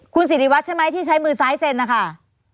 คุณสิริวัตรใช่ไหมที่ใช้มือซ้ายเซ็นนะคะ